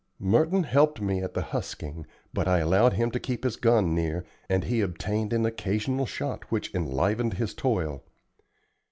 Merton helped me at the husking, but I allowed him to keep his gun near, and he obtained an occasional shot which enlivened his toil.